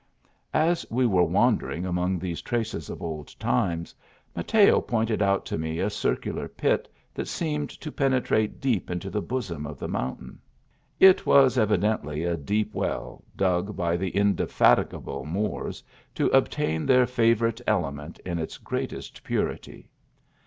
As we were wandering among these traces of old times, Mateo pointed out to me a circular pit, that seemed to penetrate deep into the bosom of the mountain. It was evidently a deep well, dug by the indefatigable Moors, to obtain their favourite ele ment in its greatest purity.